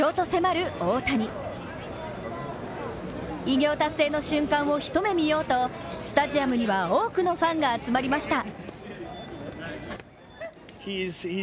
偉業達成の瞬間を一目見ようとスタジアムには多くのファンが集まりました。